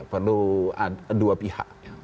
perlu dua pihak